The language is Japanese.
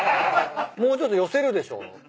もうちょっと寄せるでしょ。